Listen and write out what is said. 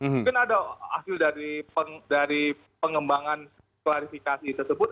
mungkin ada hasil dari pengembangan klarifikasi tersebut